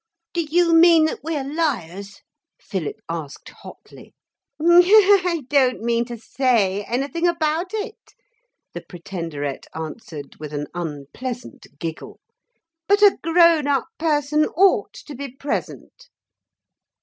'Do you mean that we're liars?' Philip asked hotly. 'I don't mean to say anything about it,' the Pretenderette answered with an unpleasant giggle, 'but a grown up person ought to be present.'